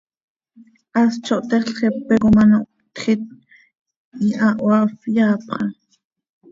Hast zo htexl, xepe com ano htjiit, hihahoaafp ihpyaapxa.